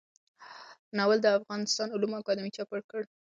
ناول د افغانستان علومو اکاډمۍ چاپ کړ.